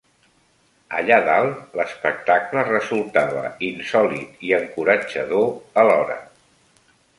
Allà dalt, l'espectacle resultava insòlit i encoratjador alhora.